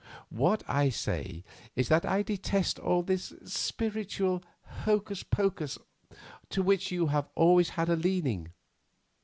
What I say is that I detest all this spiritual hocus pocus to which you have always had a leaning.